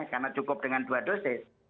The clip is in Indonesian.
karena cukup dengan dua dosis